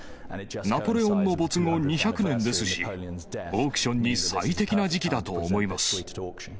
ナポレオンの没後２００年ですし、オークションに最適な時期だと思います。